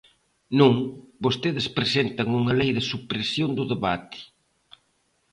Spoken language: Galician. Non, vostedes presentan unha lei de supresión do debate.